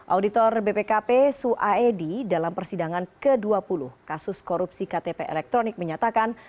auditor bpkp su aedi dalam persidangan ke dua puluh kasus korupsi ktp elektronik menyatakan